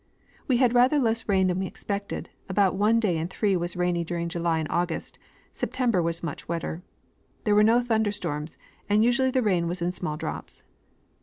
^Ve had rather less rain than we expected ; about one day in three was rain}' during July and August ; September was much wetter. There were no thunder storms, and usually the rain was in small drops.